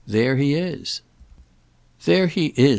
There he is." "There he is!"